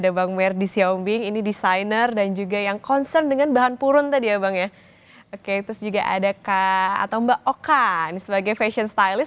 ibu mbak oka sebagai fashion stylist